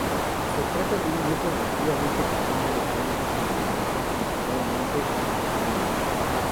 Se trata de un grupo relativamente pequeño de plantas con distribución principalmente en Gondwana.